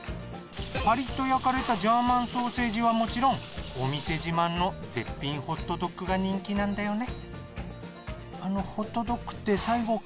パリッと焼かれたジャーマンソーセージはもちろんお店自慢の絶品ホットドックが人気なんだよね。